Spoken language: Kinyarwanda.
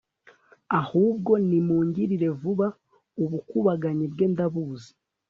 ahubwo nimungirire vuba ubukubanganyi bwe ndabuzi